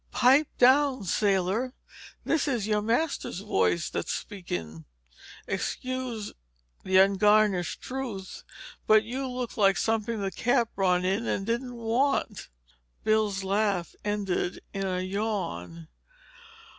Pipe down, sailor! This is your master's voice what's speaking. Excuse the ungarnished truth, but you look like something the cat brought in and didn't want!" Bill's laugh ended in a yawn.